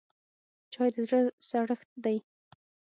چای د زړه سړښت دی